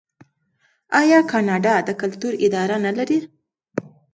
آیا کاناډا د کلتور اداره نلري؟